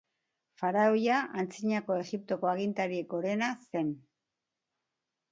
Faraoia Antzinako Egiptoko agintari gorena zen.